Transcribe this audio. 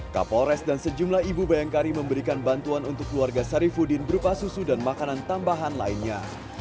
kapolres dan sejumlah ibu bayangkari memberikan bantuan untuk keluarga sarifudin berupa susu dan makanan tambahan lainnya